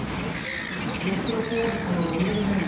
ロストロポーヴィチのミドルネーム